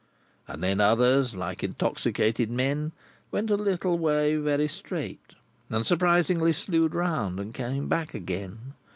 And then others, like intoxicated men, went a little way very straight, and surprisingly slued round and came back again.